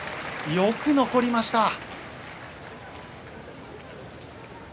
よく残りましたね。